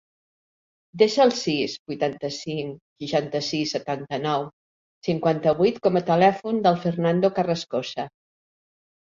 Desa el sis, vuitanta-cinc, seixanta-sis, setanta-nou, cinquanta-vuit com a telèfon del Fernando Carrascosa.